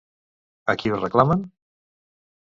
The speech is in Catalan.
A qui ho reclamen?